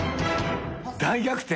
大逆転？